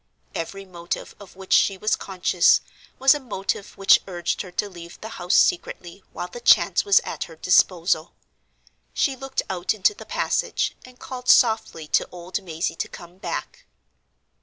Every motive of which she was conscious was a motive which urged her to leave the house secretly while the chance was at her disposal. She looked out into the passage, and called softly to old Mazey to come back.